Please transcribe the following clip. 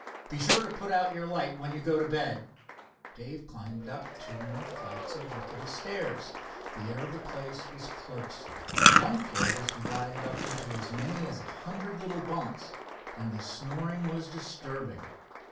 "Be sure to put out your light when you go to bed." Dave climbed up two more flights of rickety stairs. The air of the place was close. One floor was divided up into as many as a hundred little bunks, and the snoring was disturbing.